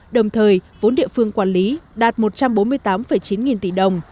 đồng thời vốn địa phương quản lý đạt một trăm bốn mươi tám chín nghìn tỷ đồng